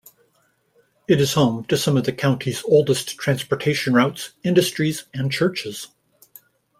It is home to some of the county's oldest transportation routes, industries and churches.